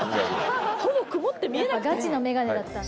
ほぼ曇って見えなくて。